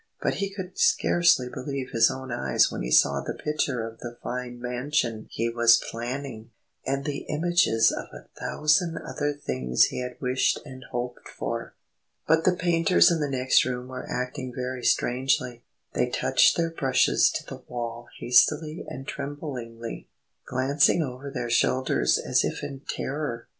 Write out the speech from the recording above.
But he could scarcely believe his own eyes when he saw the picture of the fine mansion he was planning, and the images of a thousand other things he had wished and hoped for. But the painters in the next group were acting very strangely. They touched their brushes to the wall hastily and tremblingly, glancing over their shoulders as if in terror.